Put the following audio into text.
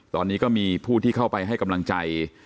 ตอนนี้ก็มีผู้ที่เข้าไปให้กำลังใจ